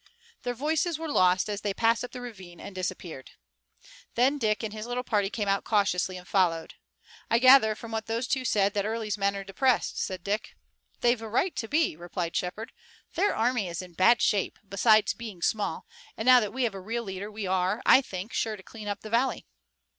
Their voices were lost, as they passed up the ravine and disappeared. Then Dick and his little party came out cautiously, and followed. "I gather from what those two said that Early's men are depressed," said Dick. "They've a right to be," replied Shepard. "Their army is in bad shape, besides being small, and now that we have a real leader we are, I think, sure to clean up the valley."